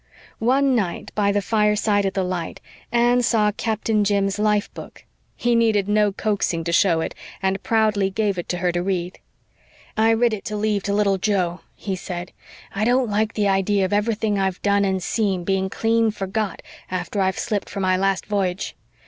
'" One night, by the fireside at the light Anne saw Captain Jim's "life book." He needed no coaxing to show it and proudly gave it to her to read. "I writ it to leave to little Joe," he said. "I don't like the idea of everything I've done and seen being clean forgot after I've shipped for my last v'yage.